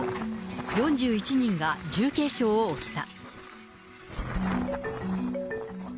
４１人が重軽傷を負った。